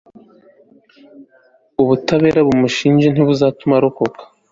ubutabera bumushinja ntibuzatuma arokoka